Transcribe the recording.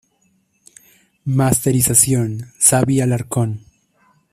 Masterización: Xavi Alarcón.